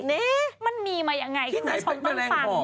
นี่มันมีมายังไงคุณผู้ชมต้องฟัง